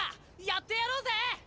やってやろうぜ！